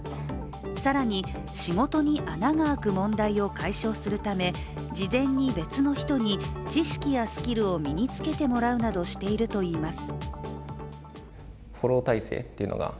更に仕事に穴が開く問題を解消するため事前に別の人に知識やスキルを身につけてもらうなどしているといいます。